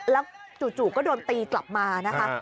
แล้วจู่ก็โดนตีกลับมานะคะ